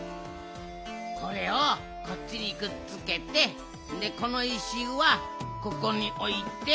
これをこっちにくっつけてこの石はここにおいて。